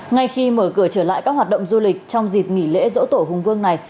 ngay khi mở cửa trở lại các hoạt động du lịch trong dịp nghỉ lễ dỗ tổ hùng vương này